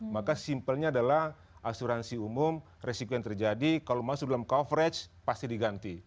maka simpelnya adalah asuransi umum resiko yang terjadi kalau masuk dalam coverage pasti diganti